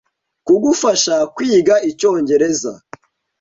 kugufasha kwiga icyongereza.